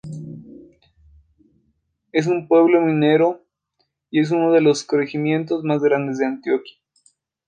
Es un pueblo minero y es uno de los corregimientos más grandes de Antioquia.